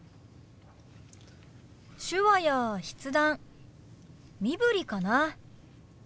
手話や筆談身振りかな。